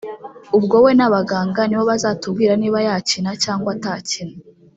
ubwo we n’abaganga nibo bazatubwira niba yakina cyangwa atakina